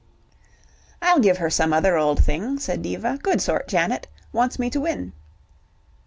"I'll give her some other old thing," said Diva. "Good sort, Janet. Wants me to win."